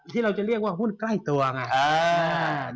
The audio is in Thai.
ที่เราจะเรียกว่าหุ้นใกล้ตัวไง